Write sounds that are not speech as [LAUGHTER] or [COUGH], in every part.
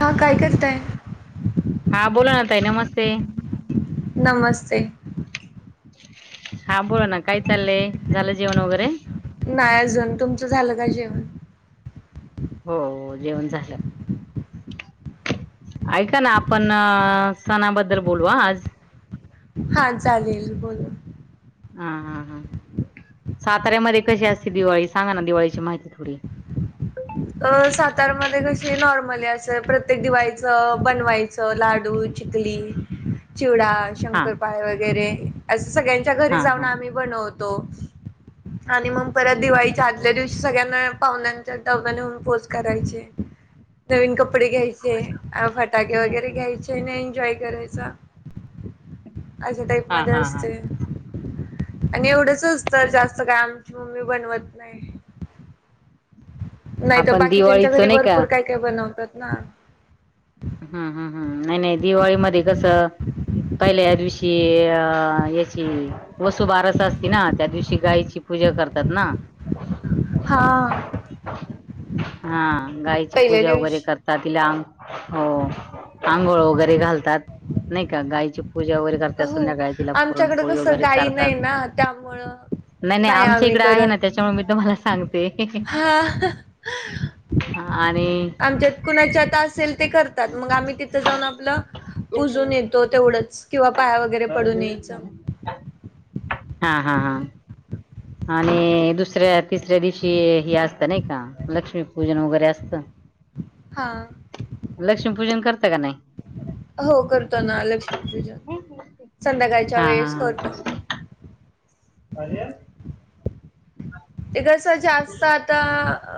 हा काय करताय? हा बोला ना ताई नमस्ते नमस्ते. हा बोला ना काय चाललंय झालं जेवण वगैरे नाही अजून तुमचं झालं का जेवण? हो जेवण झालं? ऐका ना आपण सणाबद्दल बोलू आज हा चालेल बोलून हा हा हां साताऱ्यामध्ये कशी असते दिवाळी सांगा ना दिवाळीची माहिती थोडी अ सातारमध्येध्ये कशी नॉर्मल असं प्रत्येक दिवाळीचं बनवायचं. लाडू चिखली चिवडा हा शंकर पाय वगैरे असं सगळ्यांच्या घरी हा जाऊ हा आम् नतो आणि मग परत दिवाळीच्या आदल्या दिवशी सगळ्यांना पाहनांच्या पोज करायचे नवीन कपडे घ्यायचे फटाके वगैरे घ्यायचे. एन्जॉय करायचा अशा टाईप हा मध्ये हा हा असते. आणि एवढंचच तर जास्त काय आमची मम्मी बनवत नाही नाही तर आपण बाकीच्याच्या दिवाळीचं घरी नाही का भरपूर काय काय बनवतात ना हम्म हम् हम् नाही नाही दिवाळीमध्येध्ये कसं? काहिला या दिवशी अ याची वसू बारसा असती ना त्या दिवशी गायची पूजा करतात ना. हा हा गाईची पहिल्या पूजा वगैरे दिवशी करत तिला अंग. हो आंघोळ वगैरे घालतात नाही का गायची पूजा वगैरे घ करते हो संध्याकाळ तिला आमच्याकडे पुरणपोळी कसं वगैरे गाई चारतात. नाही ना त्यामुळं नाही नाही आमच्या आम्ही इकडें आहे करत ना त्याच्यामुळे मी तुम्हाला सांगते. हा ह आणि आमच्यात कुणाची आता असेल ते करतात मग आम्ही तिथं जाऊन आपलं पुूजून येतो. तेवढंच किंवा पाया वगैरे पडून यायचं. हा हा हा. आणि दुसऱ्या तिसऱ्या दिवशी हे असतं नाही का लक्ष्मीपूजन वगैरे असतं. [INAUDIBLE] हा. लक्ष्मी पूजन करत का नाही. हो करतो ना लक्ष्मीपूजन संध्याकाळच्या हा हा वेळेस हा. करतो अरे ते कसं जास्त आता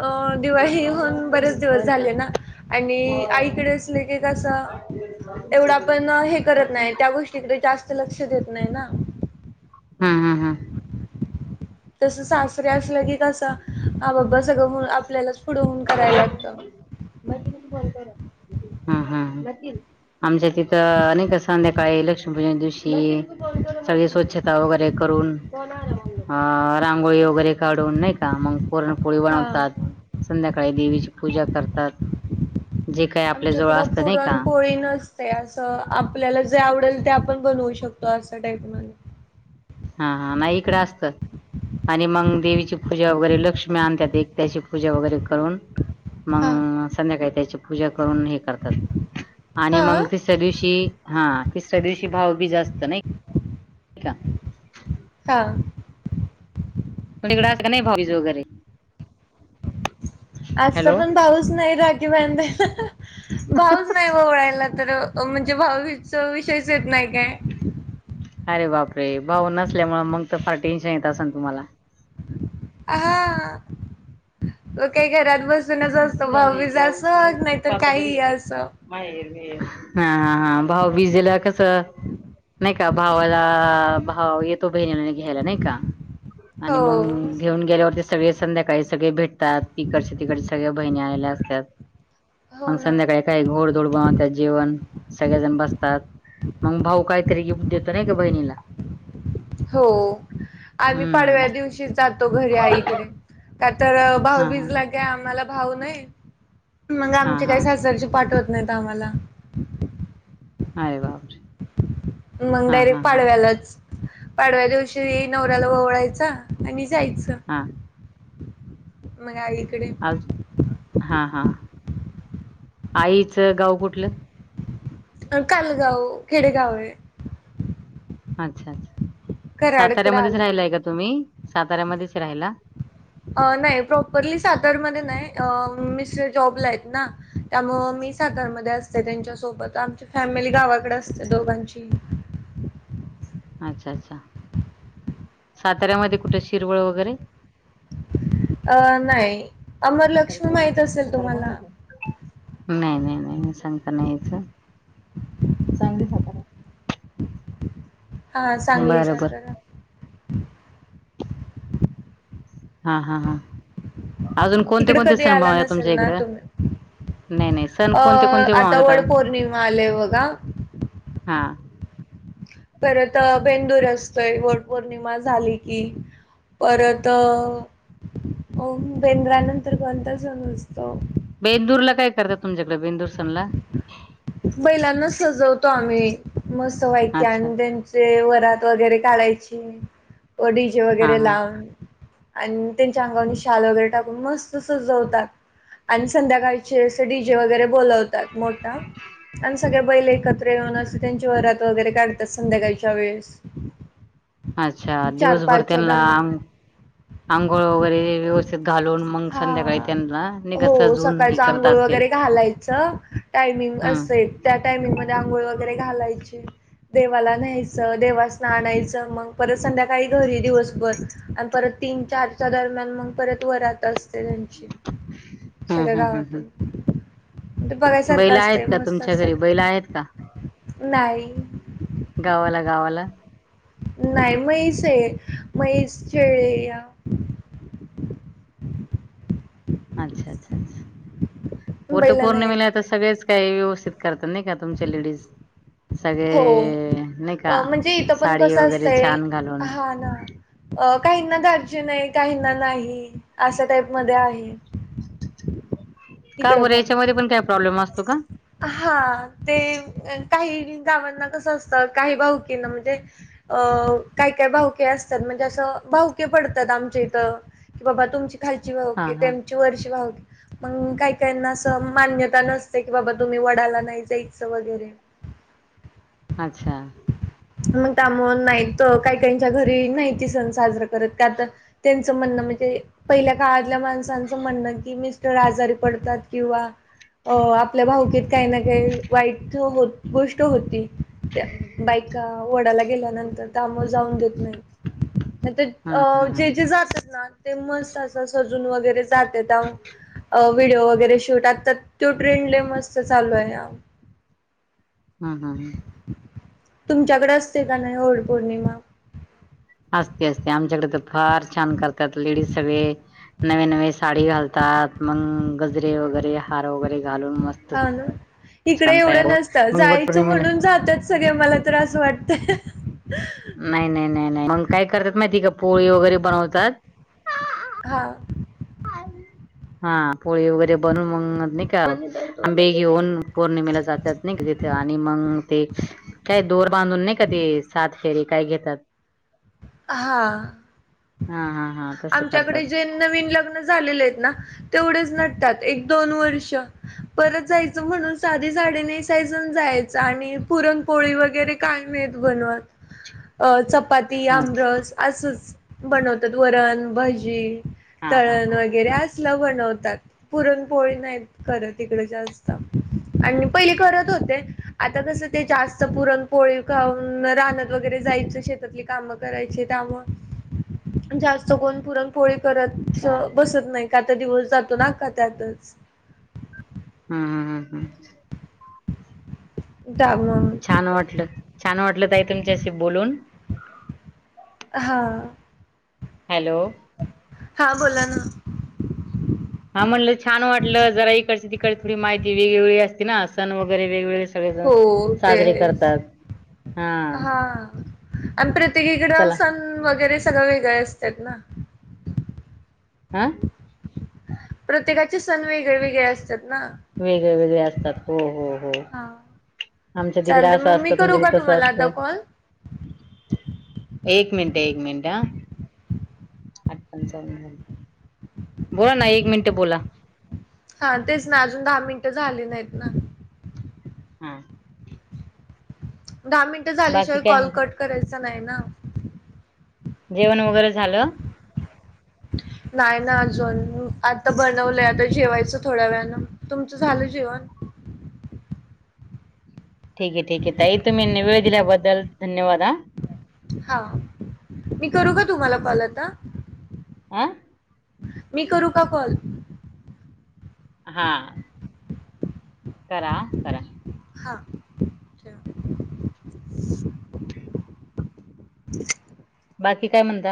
अ दिवाळी होन बरेच दिवस झाले ना. आणि आईकडेच ले क कस एवढा पण हे करत नाही त्या गोष्टी तिकडे जास्त लक्ष देत नाही ना. हा हा हा. तसं सासरे असलं की कस हा बाबा सगळं आपल्यालाच पुढं होऊन करायला लागतं. म बरो. आमच्या तिथं अनेकध्याकाळी लक्ष्मीपूजन दिवशी सगळे स्वच्छ ता वगैरे करून अ रांगोळी वगैरे काढून नाही का मग पुोरणपोळी हा. बनवतात संध्याकाळी देवीची पूजा करतात. जे काही आपल्या जोळ असत नाही का? कोन ते असं आपल्याला जे आवडेल ते आपण बनवू शकतो असा टाईप म्ह हा हा नाही इकडें असतं आणि मग देवीची पूजा वगैरे लक्ष्मी आणतात एक त्या्याची पूजा वगैरे करून हा. मग संध्याकाळी त्याची पूजा करून हे करतात आणि हा. मग तिसऱ्या दिवशी हा तिसऱ्या दिवशी भाव बी जास्त नाही का हा इकड अस का नाही भाीजी वगैरे आजता हॅलो पण भाऊच नाही राखी ब भाऊच नाही ळायला तर म्हणजे भावीच विषयच येत नाही काय अरे बाप रे भाऊ नसल्यामुळे मग तर फार टेन्शन येत अस ना तुम्हाला हा म काही घरात बस असत ववीज असं नाहीतर काहीही असं हा हा हा भाऊ बिजेला कस नाही का भावाला भाव येतो बहिणी घ्यायला नाही का आणि हो मग घेऊन गेल्यावरती सगळे संध्याकाळी सगळे भेटतात ती कड तिक सगळ्या बहिणी आलेल्या असत हो मग ना संध्याकाळी काही घोडधोड गवत जेवण सगळेजण बसतात मग भाऊ काहीतरी गिफ्ट देतो नाही का बहिणीला हो आम्ही हम्म पाडव्या दिवशी जातो घरी आईकडे का तर भाऊ हा हा बीजला काय आम्हाला भाऊ नाही मग हा आमचे हा काही सासरची पाठ हो नाही तर आम्हाला हा बापरे मग हा हा डायरेक्ट हा पाडव्यालाच पाडव्या दिवशी नवऱ्याला ववळायचा आणि जायचं हां मगाईकडे आज हा हा आईचं गाव कुठलं कालगाव खेडेगाव आहे अच्छा अच्छा कराडकडे साताऱ्यामध्येच आलं. राहिलाय का तुम्ही साताऱ्यामध्येच राहायला नाही प्रॉपरली सातारमध्ये नाही मिस्टर जॉबला आहेत ना त्यामु मी सागरमध्ये असते त्यांच्यासोबत आमची फॅमिली गावाकडे असते दोघांची अच्छा अच्छा साताऱ्यामध्ये कुठे शिरवळ वगैरे अ नाही अमर लक्ष्मी माहित असेल तुम्हाला नाही नाही नाही नाही सांगता नाहीथ सांग हा चांगलीच बरं बर. तर हा हा हा अजून कोणते तिकडे कोणते कधी सन आला नसेल तुमच्या ना इकडं तुम्ही. नाही नाही सण अ, कोणते कोणते आता वागता वड पौर्णिमा आले बघा. हा परत बेंदूर असतोय वट पौर्णिमा झाली की परत अ बेंद्रानंतर कोणता सण येतो असत बेंदूर ला काय करतात तुमच्याकडे बेंदूर सणला बैलांना सजवतो आम्ही मस्तवायकी अच्छा. आणि त्यां वरात वगैरे काढायचे ओ डी जे हा वगैरे हा. लावून आणि त्यांच्या अंगाने शाल वगैरे टाकून मस्त सजवतात आणि संध्याकाळचे अस डी जे वगैरे बोवलतात तमोठा आणि सगळ्या बैले एकत्र येऊन अस त्यांच्या वरात वगैरे काढतात संध्याकाळच्या वेळेस अच्छा चार दिवसभर पाचच्या त्यांना दरम्यान. आंघोळ वगैरे व्यवस्थित घालून मग हा संध्याकाळी त्यांना नाही का हो सजवून हे सकाळच करत आंघोळ असतील. वगैरे घालायचं टायमिंग हम्म. असे त्या टायमिंग मध्ये आंघोळ वगैरे घालायचे देवाला न्यायचं देवा स्नानायचं मग परत संध्याकाळी घरी दिवसभर आणि परत तीन चारच्या दरम्यान मग परत वरात असते त्यांची हम्म सगळ्या हम्म हम्म गावातून हम्म. ते बैल बघायसारखं आहेत असतंय का मस्त तुमच्या घरी? असत बैल आहेत का? नाही गावाला गावाला नाही म्हैस आहे मैसळे या अच्छा अच्छा अच्छा वट बैल पौर्णिमेला नाहीत तर सगळेच काय व्यवस्थित करत नाही का तुमच्या लेडीज हो सगळे नाही का अ, म्हणजे साडी वगैरे छान घालून अला अ काहींना दधारजीन नाही काहींना नाही अशा टाईप मध्ये आहे का बरं याच्यामध्ये पण काय प्रॉब्लेम असतो का हा ते काही गावांना कसं असतं काही भाऊकींना म्हणजे अ काही काय भाऊके असतात म्हणजे असं भाऊके पडतात आमच्या इथं की बाबा तुमची खालची हा भावकी हा त्यांची वरची भावकी के मग काही काहीना असं मान्यता नसते की बाबा तुम्ही वडाला नाही जायचं वगैरे अच्छा मग त्यामुळे नाहीत काही काहीच्या घरी नाहीती सण साजरा करत का तर त्यां म्हण म्हणजे पहिल्या काळातल्या माणसचं म्हण की मिस्टर आजारी पडतात किंवा हो आपल्या भाऊकेत काही ना काही वाईट हो गोष्ट होती त्या बायका वडाला गेल्यानंतर त्यामूळ जाऊन देत नाही हम्म हम्म जे हम्म जे जातात ना ते मस्त अस अस सजून वगैरे जात्यात व्हिडिओ वगैरे शूट आ तर तो ट्रेंड मस्त चालू आहे हम् हम हम तुमच्याकडे असते का नाही वट पौर्णिमा असते असते आमच्याकडे तर फार छान करतात लेडीज सगळे नवे नवे साडी घालतात मग गजरे वगैरे हार वगैरे घालून मस्त इडे छान तयार एवढं नसत होऊन मग जायच वटपौर्णिमेला म्हणून जात्यात सगळे मला त्रास वाटते नाही नाही नाही नाही मग काय करतात माहिती का पोळी वगैरे बनवतात हा [INAUDIBLE] हा पोळी वगैरे बनून मग निकाल आंबे घेऊन पौर्णिमेला जातात नाही का तिथे आणि मग ते काय दोर बांधून नाही का ते सात फेरी काय घेतात हा हा हा हा तसं करतात आमच्याकडे जे नवीन लग्न झालेले आहेत ना तेवढेच नटतात एक दोन वर्ष परत जायचं म्हणून साधी साडी नेसायचं जायचं आणि पुरणपोळी वगैरे काय नाय बनवत चपाती आमटी अच्छा असच बनवतात वरण भजी हा हा तळण हा वगैरे अस बनवतात पुरण पोळी नाही करत तिकड जास्त आणि पहिले करत होते आता कस ते जास्त पुरण पोळी खाऊन रानात वगैरे जायच शेतातली काम कराय त्यामुळे जास्त कोण पुरणपोळी करत अच्छा हम्म बसत नाही. का तर दिवस जातो ना अख्खा त्यातच हम् हम हम हम् जा म छान वाटलं छान वाटलं ताई तुमच्याशी बोलून हां हॅलो हा बोला ना. हा म्हटलं छान वाटलं जरा इकडची तिकडे थोडी माहिती वेगवेगळी असती ना सन वगैरे वेगवेगळे. सगळेजण हो साजरे तेच करतात हा. आणि प्रत्येकीकडे चला सण वगैरे सगळं वेगळे असतात ना. हम. प्रत्येकाचे सण वेगळे वेगळे असतात ना. वेगळे वेगळे असतात हो हो हो. हा. आमच्या तिकडं असं असतं तुमच्याकडे तसं आता असतं. कॉल? एक मिनट एक मिनिट ह. आठ पंचावन्न बोला ना एक मिनिटं बोला. हा तेच ना अजून दहा मिनटं झाली नाहीत ना. हा. दहा मिनटं बाकी झाल्याशिवाय काय कॉल म्हणता? कट करायचा नाही ना. जेवण वगैरे झालं. नाही ना अजून आता बनवलंय आता जेवायचं थोड्या वेळाने तुमचं झालं जेवण. ठीक आहे ठीक आहे तई तुम्ही वेळ दिल्याबद्दल धन्यवाद हा. हा मी करू का तुम्हाला कॉल आता. आं. मी करू का कॉल. हा. करा हा करा. हा. बाकी काय म्हणता.